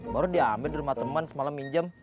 baru diambil di rumah teman semalam minjem